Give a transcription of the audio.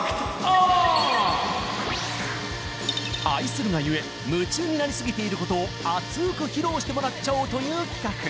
愛するがゆえ夢中になりすぎていることを熱く披露してもらっちゃおうという企画。